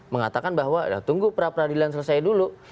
mengatakan bahwa tunggu pra peradilan selesai dulu